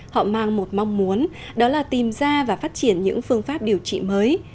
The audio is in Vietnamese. họ mang một mong muốn đó là tìm ra và phát triển những phương pháp điều trị mới